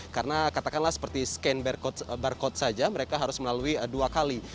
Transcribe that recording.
karena katakanlah seperti scan barcode saja mereka harus melalui dua kali